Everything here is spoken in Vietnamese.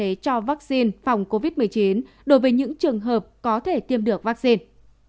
evusel là thuốc không chỉ định dùng thay thế cho vaccine phòng covid một mươi chín đối với những trường hợp có thể tiêm được vaccine